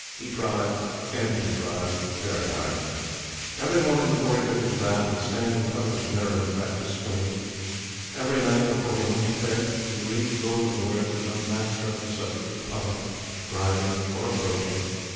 He tried, and tried hard. Every morning before he took his bath he would stand in front of his mirror and practise swings. Every night before he went to bed he would read the golden words of some master on the subject of putting, driving, or approaching.